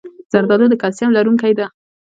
زردالو د کلسیم لرونکی ده.